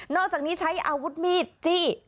อกจากนี้ใช้อาวุธมีดจี้